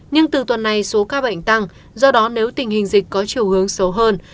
nhưng từ tuần này số ca bệnh tăng do đó nếu tình hình dịch có chiều hướng xấu hơn